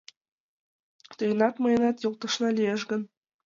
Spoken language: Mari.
Тыйынат, мыйынат йолташна лиеш гын